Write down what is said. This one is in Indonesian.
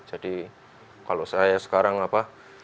jadi kalau saya sekarang apa